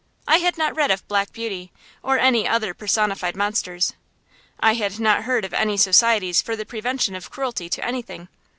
I had not read of "Black Beauty" or any other personified monsters; I had not heard of any societies for the prevention of cruelty to anything.